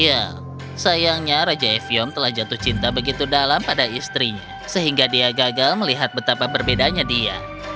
iya sayangnya raja eviom telah jatuh cinta begitu dalam pada istrinya sehingga dia gagal melihat betapa berbedanya dia